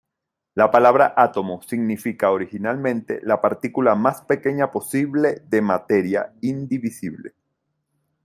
La palabra átomo significa originalmente la partícula más pequeña posible de materia, indivisible.